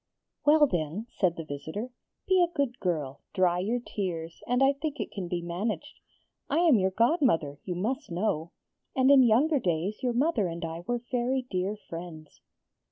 'Well, then,' said the visitor, 'be a good girl, dry your tears, and I think it can be managed. I am your godmother, you must know, and in younger days your mother and I were very dear friends.'